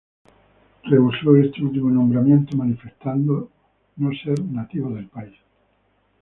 Rehusó este último nombramiento manifestando no ser nativo del país.